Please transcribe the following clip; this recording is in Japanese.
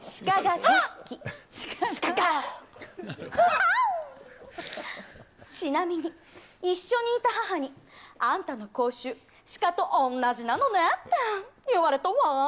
鹿５！にはちなみに、一緒にいた母に、あんたの口臭、鹿と同じなのねって言われたわ。